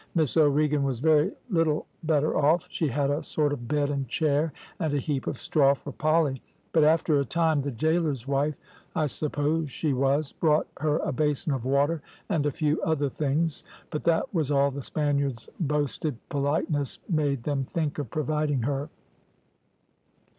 Miss O'Regan was very little better off. She had a sort of bed and chair, and a heap of straw for Polly; but after a time the gaoler's wife, I suppose she was, brought her a basin of water and a few other things; but that was all the Spaniards' boasted politeness made them think of providing her.